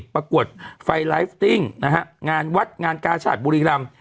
ประกวดไฟไลฟ์ติ้งนะฮะงานวัดงานกาชาติบุรีรำ